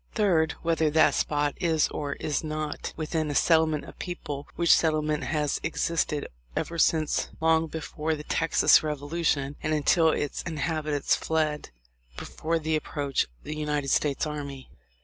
Third. Whether that spot is or is not within a settlement of people, which settlement has existed ever since long before the Texas revolution, and until its inhabitants fled before the approach of the United States army."